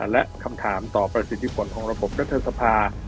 และคำถามต่อประสิทธิผลของระบบรัฐสภา